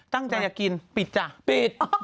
ตั้งใจจะกินปิดจ้ะปิด